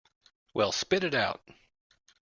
Well, spit it out!